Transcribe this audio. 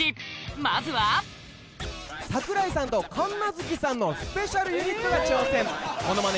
まずはＳＡＫＵＲＡＩさんと神奈月さんのスペシャルユニットが挑戦モノマネ